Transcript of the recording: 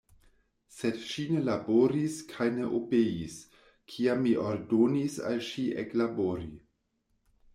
Sed ŝi ne laboris kaj ne obeis, kiam mi ordonis al ŝi eklabori.